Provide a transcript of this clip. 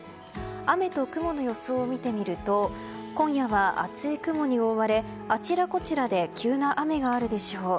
雨と雲の予想を見てみると今夜は厚い雲に覆われあちらこちらで急な雨があるでしょう。